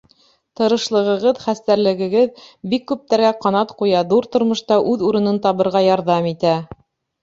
Тырышлығығыҙ, хәстәрлегегеҙ бик күптәргә ҡанат ҡуя, ҙур тормошта үҙ урынын табырға ярҙам итә.